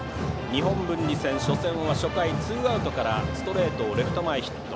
日本文理戦初戦は初回ツーアウトからストレートをレフト前ヒット。